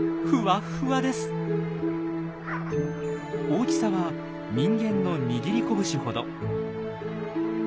大きさは人間の握り拳ほど。